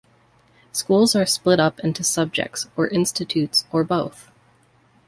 Schools are split up into subjects or institutes or both.